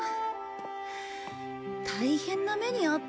大変な目にあった。